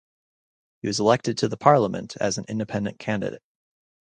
He was elected to the parliament as an independent candidate.